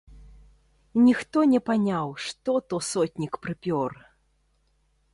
Ніхто не паняў, што то сотнік прыпёр!